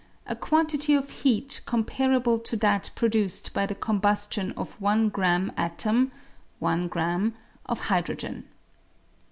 a quantity of heat comparable to that produced by the combustion of i grm. atom (i grm.) of hydrogen.